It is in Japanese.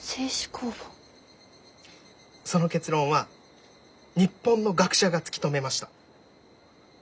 その結論は日本の学者が突き止めました。